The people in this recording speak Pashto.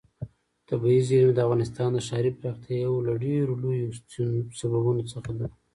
طبیعي زیرمې د افغانستان د ښاري پراختیا یو له ډېرو لویو سببونو څخه ده.